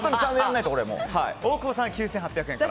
大久保さんは９８００円から。